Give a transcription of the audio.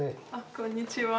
こんにちは。